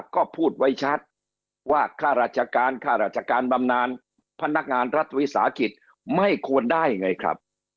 ก็พูดไว้ชัดว่าค่าราชการค่าราชการบำนานพนักงานรัฐวิสาหกิจไม่ควรได้ไงครับ